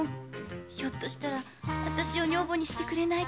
ひょっとしたら私を女房にしてくれないかなあって。